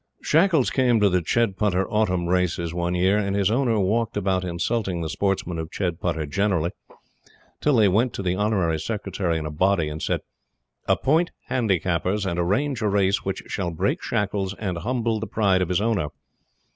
Shackles came to the Chedputter Autumn races one year, and his owner walked about insulting the sportsmen of Chedputter generally, till they went to the Honorary Secretary in a body and said: "Appoint Handicappers, and arrange a race which shall break Shackles and humble the pride of his owner."